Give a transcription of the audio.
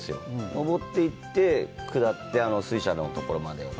上っていって、下って、あの水車のところまで。